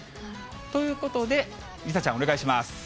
ということで、梨紗ちゃん、お願いします。